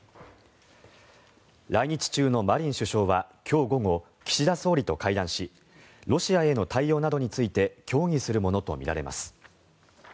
来日中のマリン首相は今日午後岸田総理と会談しロシアへの対応などについて協議するものとみられます。